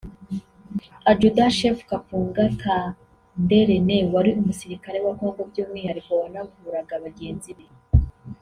Adjudant- Chef Kapunga Kande René wari umusirikare wa Congo by’umwihariko wanavuraga bagenzi be